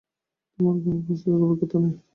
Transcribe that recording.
তোমার গাওয়ার বাস্তবিক অভিজ্ঞতা নেই।